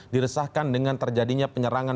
diresahkan dengan terjadinya penyerangan